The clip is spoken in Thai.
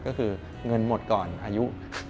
ก็คือเงินหมดก่อนอายุ